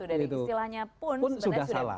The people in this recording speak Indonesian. dari istilahnya pun sudah salah